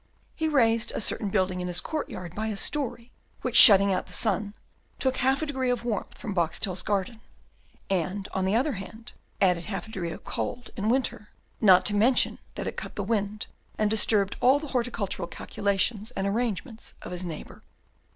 He raised a certain building in his court yard by a story, which shutting out the sun, took half a degree of warmth from Boxtel's garden, and, on the other hand, added half a degree of cold in winter; not to mention that it cut the wind, and disturbed all the horticultural calculations and arrangements of his neighbour.